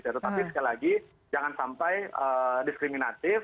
tetapi sekali lagi jangan sampai diskriminatif